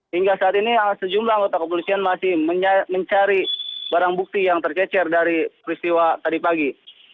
hingga saat ini sejumlah anggota kepolisian masih mencari barang bukti yang tercecer dari peristiwa tadi pagi